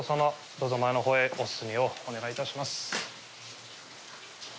どうぞ前の方へお進みをお願い致します。